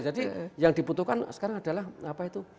jadi yang dibutuhkan sekarang adalah apa itu